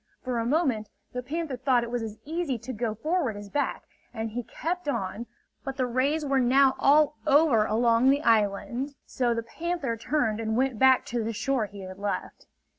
For a moment, the panther thought it was as easy to go forward as back, and he kept on. But the rays were now all over along the island; so the panther turned and went back to the shore he had left.